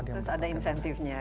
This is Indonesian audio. terus ada insentifnya kan misalnya